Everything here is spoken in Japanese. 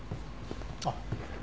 あっ。